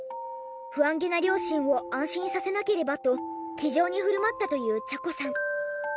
不安げな両親を安心させなければと気丈に振る舞ったという茶子さん。